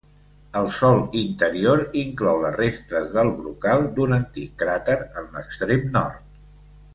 El sòl interior inclou les restes del brocal d'un antic cràter en l'extrem nord.